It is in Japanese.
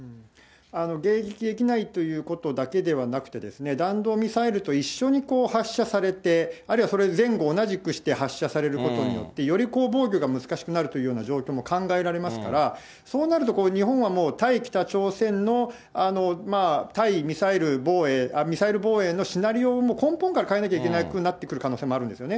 迎撃できないということだけではなくて、弾道ミサイルと一緒に発射されて、あるいはそれと前後同じくして発射されることによって、より防御が難しくなるというような状況も考えられますから、そうなるとこう、日本はもう、対北朝鮮の対ミサイル防衛のシナリオをもう根本から変えなきゃいけなくなってくる可能性があるんですね。